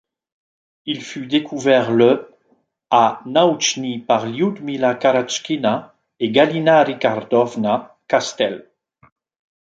Il fut découvert le à Naoutchnyï par Lioudmila Karatchkina et Galina Ričardovna Kastel'.